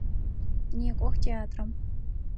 Некӏох театрэм!